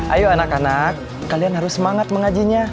ayo anak anak kalian harus semangat mengajinya